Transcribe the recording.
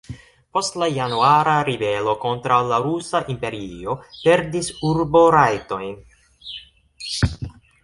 Post la januara ribelo kontraŭ la Rusa Imperio perdis urborajtojn.